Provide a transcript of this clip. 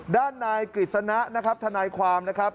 ด้านนายกฤษณะนะครับทนายความนะครับ